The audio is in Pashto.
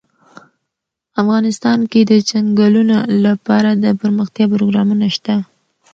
افغانستان کې د چنګلونه لپاره دپرمختیا پروګرامونه شته.